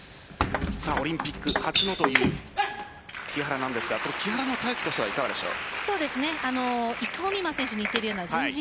オリンピック初のという木原なんですが木原のタイプとしてはいかがでしょう。